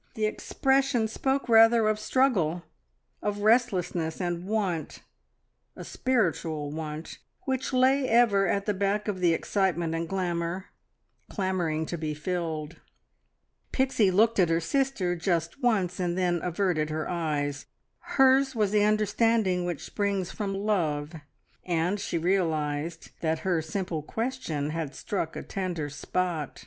The expression spoke rather of struggle, of restlessness, and want a spiritual want which lay ever at the back of the excitement and glamour, clamouring to be filled. Pixie looked at her sister, just once, and then averted her eyes. Hers was the understanding which springs from love, and she realised that her simple question had struck a tender spot.